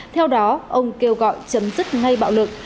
theo đó ông kêu gọi chấm dứt ngay bạo lực